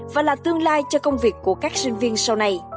và là tương lai cho công việc của các doanh nghiệp